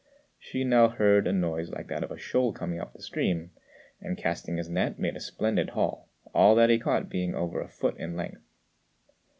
Hsü now heard a noise like that of a shoal coming up the stream, and, casting his net, made a splendid haul, all that he caught being over a foot in length.